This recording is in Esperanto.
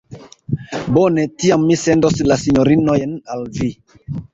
Bone, tiam mi sendos la sinjorinojn al vi.